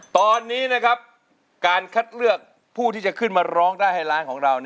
ตอนนี้นะครับการคัดเลือกผู้ที่จะขึ้นมาร้องได้ให้ร้านของเรา